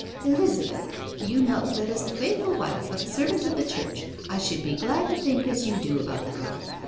'Elizabeth, you know that as the faithful wife of a servant of the Church, I should be glad to think as you do about the girl.